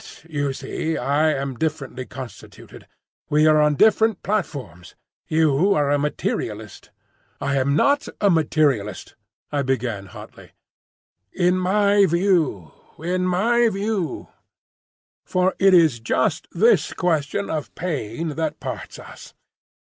"But, you see, I am differently constituted. We are on different platforms. You are a materialist." "I am not a materialist," I began hotly. "In my view—in my view. For it is just this question of pain that parts us.